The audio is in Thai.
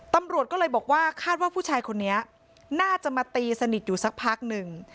ตำรวจก็เลยบอกว่าคาดว่าผู้ชายคนนี้น่าจะมาตีสนิทอยู่สักพักหนึ่ง